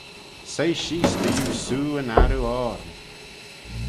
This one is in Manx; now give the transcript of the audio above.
Soie sheese dy iu soo yn arroo-oarn